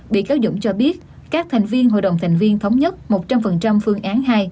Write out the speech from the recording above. bị cáo dũng cho biết các thành viên hội đồng thành viên thống nhất một trăm linh phương án hai